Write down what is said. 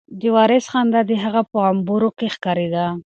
د وارث خندا د هغه په غومبورو کې ښکارېده.